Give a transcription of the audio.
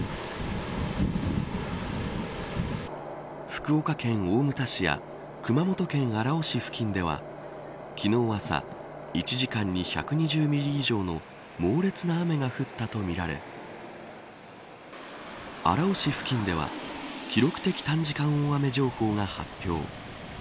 福岡県大牟田市や熊本県荒尾市付近では昨日朝１時間に１２０ミリ以上の猛烈な雨が降ったとみられ荒尾市付近では記録的短時間大雨情報が発表。